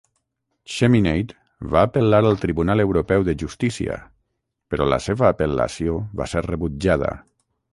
Cheminade va apel·lar al Tribunal Europeu de Justícia, però la seva apel·lació va ser rebutjada.